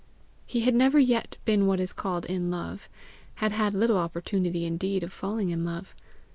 He had never yet been what is called in love had little opportunity indeed of falling in love.